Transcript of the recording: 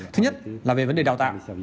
thứ nhất là về vấn đề đào tạo